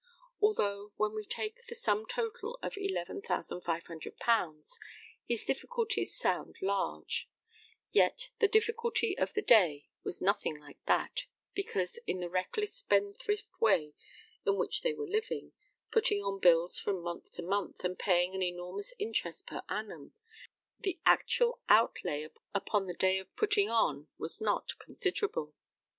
Although, when we take the sum total of £11,500, his difficulties sound large, yet the difficulty of the day was nothing like that, because, in the reckless spendthrift way in which they were living, putting on bills from month to month, and paying an enormous interest per annum, the actual outlay upon the day of putting on was not considerable.